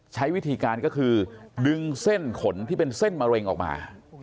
ใช้วิธีการก็คือดึงเส้นขนที่เป็นเส้นมะเร็งออกมา